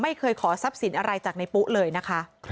ไม่เคยขอทรัพย์สินอะไรจากในปุ๊เลยนะคะ